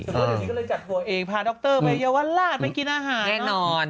ก็เลยจัดหัวเองพาด็อกเตอร์ไปเยาวะลาดไปกินอาหารแน่นอน